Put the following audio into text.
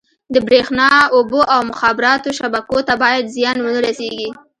د بریښنا، اوبو او مخابراتو شبکو ته باید زیان ونه رسېږي.